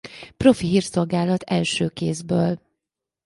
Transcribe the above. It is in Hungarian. Profi Hírszolgálat-Első kézből.